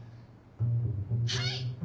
はい！